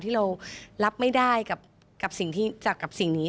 ที่เรารับไม่ได้จากกับสิ่งนี้